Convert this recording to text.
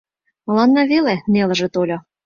Мыланна веле нелыже тольо.